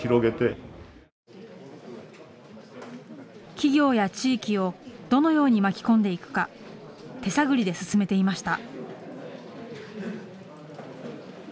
企業や地域をどのように巻き込んでいくか手探りで進めていました。